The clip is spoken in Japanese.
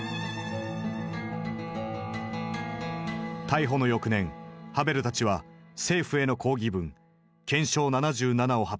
逮捕の翌年ハヴェルたちは政府への抗議文「憲章７７」を発表。